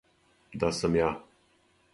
Да сам ја.